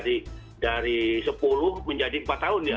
dari sepuluh menjadi empat tahun ya